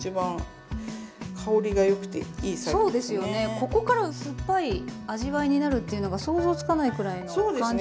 ここから酸っぱい味わいになるっていうのが想像つかないくらいの完熟梅って。